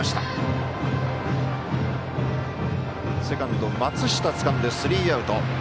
セカンド、松下つかんでスリーアウト。